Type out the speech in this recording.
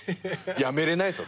やめれないっすよ